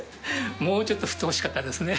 もうちょっと振ってほしかったですね。